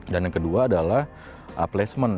dan yang kedua adalah placement